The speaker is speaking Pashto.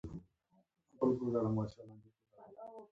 فریدګل حیران شو او د هغه د ځای پوښتنه یې وکړه